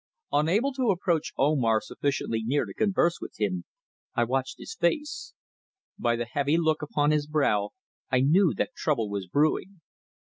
Unable to approach Omar sufficiently near to converse with him, I watched his face. By the heavy look upon his brow I knew that trouble was brewing.